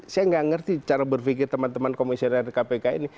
saya nggak ngerti cara berpikir teman teman komisioner kpk ini